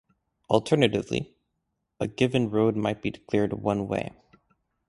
Alternatively, a given road might be declared "one-way".